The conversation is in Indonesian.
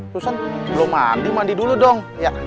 susan belum mandi mandi dulu dong